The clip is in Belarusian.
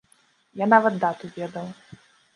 Я нават дату ведаў.